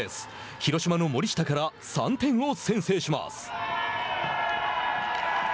広島の森下から３点を先制します。